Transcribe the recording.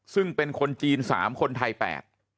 ซึ่งเป็นคนจีน๓คนไทย๘